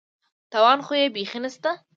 تاوان خو یې بېخي نشته.